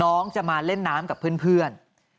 น้องจะมาเล่นน้ำกับเพื่อน